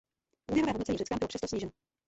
Úvěrové hodnocení Řecka bylo přesto sníženo.